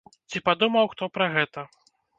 Ці падумаў хто пра гэта?